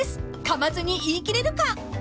［かまずに言い切れるか！？］